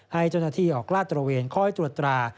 ให้จันนาธิออกลาดบริเวณคอยตรวจตรา